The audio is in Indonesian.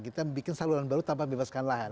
kita bikin saluran baru tanpa bebaskan lahan